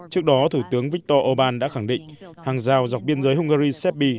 trước đó thủ tướng viktor orbán đã khẳng định hàng rào dọc biên giới hungary serbe